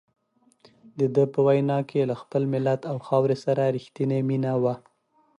دده په وینا کې له خپل ملت او خاورې سره رښتیني مینه وه.